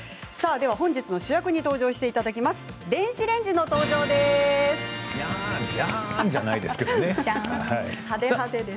本日の主役に登場していただきます